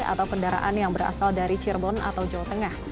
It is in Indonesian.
atau kendaraan yang berasal dari cirebon atau jawa tengah